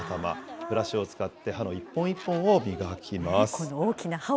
ブラシを使って、歯の一本一本を磨きます。